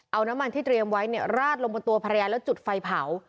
เอาน้ำมันที่เตรียมไว้เนี่ยราดลงบนตัวภรรยาแล้วจุดไฟเผา